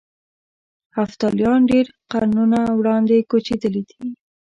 هفتالیان ډېر قرنونه وړاندې کوچېدلي دي.